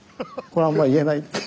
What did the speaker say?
これはあんま言えない。